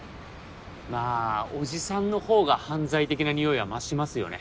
まぁおじさんの方が犯罪的な匂いは増しますよね。